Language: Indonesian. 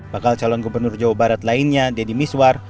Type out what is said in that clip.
bakal calon gubernur jawa barat lainnya deddy miswar